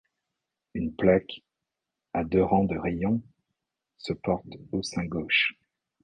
Une plaque, à deux rangs de rayons, se porte au sein gauche.